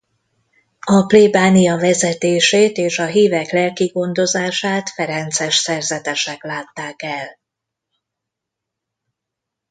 A plébánia vezetését és a hívek lelki gondozását ferences szerzetesek látták el.